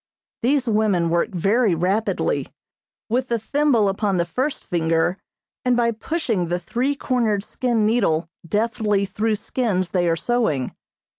These women work very rapidly, with the thimble upon the first finger and by pushing the three cornered skin needle deftly through skins they are sewing.